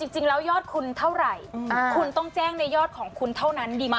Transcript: จริงแล้วยอดคุณเท่าไหร่คุณต้องแจ้งในยอดของคุณเท่านั้นดีกว่า